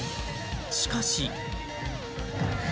しかし。